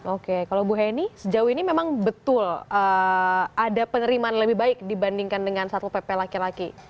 oke kalau bu heni sejauh ini memang betul ada penerimaan lebih baik dibandingkan dengan satpol pp laki laki